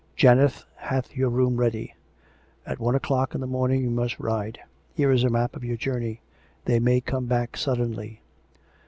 " Janet hath your room ready. At one o'clock in the morning you must ride: here is a map of your journey. They may come back suddenly.